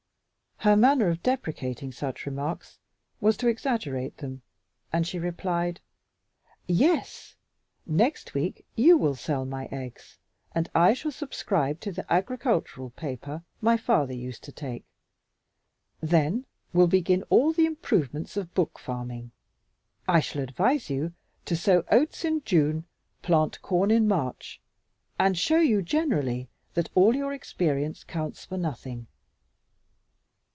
Her manner of deprecating such remarks was to exaggerate them and she replied, "Yes, next week you will sell my eggs and I shall subscribe for the agricultural paper my father used to take. Then will begin all the improvements of book farming. I shall advise you to sow oats in June, plant corn in March, and show you generally that all your experience counts for nothing."